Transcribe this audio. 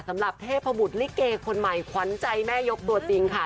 สำหรับเทพบุตรลิเกคนใหม่ขวัญใจแม่ยกตัวจริงค่ะ